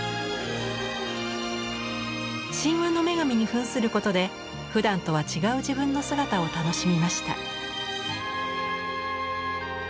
神話の女神にふんすることでふだんとは違う自分の姿を楽しみました。